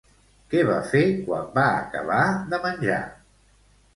Què va fer quan va acabar de menjar?